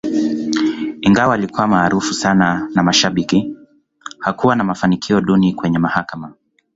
Ingawa alikuwa maarufu sana na mashabiki, hakuwa na mafanikio duni kwenye mahakama.